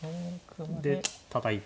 でたたいて。